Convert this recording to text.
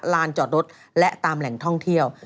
ลานจอดรถและตามแหล่งท่องเที่ยว